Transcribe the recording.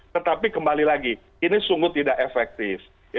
tetapi kembali lagi ini sungguh tidak efektif